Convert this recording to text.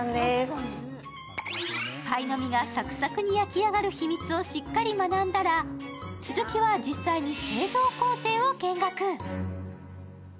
パイの実がサクサクに焼き上がる秘密をしっかり学んだら続きは実際に製造工程を見学。